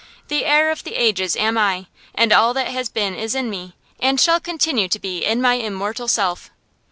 The heir of the ages am I, and all that has been is in me, and shall continue to be in my immortal self.